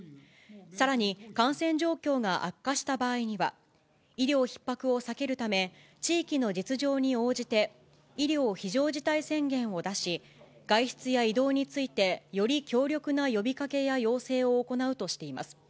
さらに、感染状況が悪化した場合には、医療ひっ迫を避けるため、地域の実情に応じて、医療非常事態宣言を出し、外出や移動について、より強力な呼びかけや要請を行うとしています。